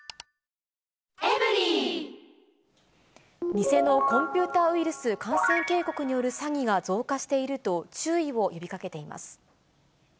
偽のコンピューターウイルス、感染警告による詐欺が増加していると注意を呼びかけています。